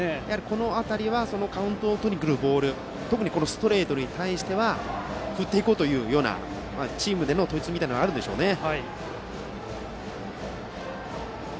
この辺りはカウントをとりにくるボール特にストレートに対しては振っていこうというようなチームでの統一みたいなものがあるんでしょうね。